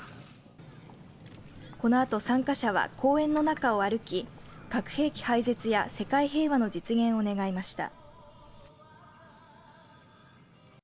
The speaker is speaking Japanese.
このあと参加者は公園の中を歩き核兵器廃絶や世界平和の実現を願いました。